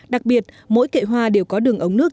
đặc biệt mỗi kệ hoa đều có đường ống nước